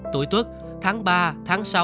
tuổi tuốt tháng ba tháng sáu